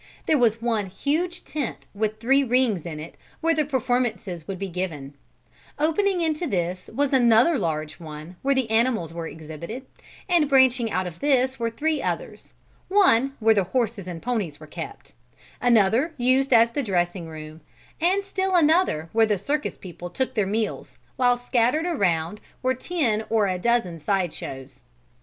There was one huge tent with three rings in it where the performances would be given; opening into this was another large one where the animals were exhibited and branching out of this were three others, one where the horses and ponies were kept; another used as the dressing room, and still another where the circus people took their meals, while scattered around were ten or a dozen side shows.